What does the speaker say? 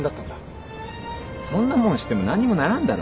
そんなもん知っても何にもならんだろ。